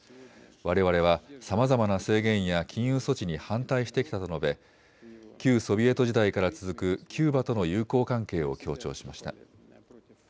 われわれはさまざまな制限や禁輸措置に反対してきたと述べ、旧ソビエト時代から続くキューバとの友好関係を強調しました。